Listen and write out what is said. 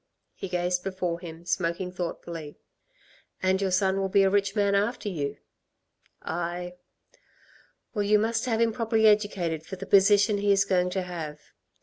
He gazed before him, smoking thoughtfully. "And your son will be a rich man after you?" "Aye." "Well, you must have him properly educated for the position he is going to have."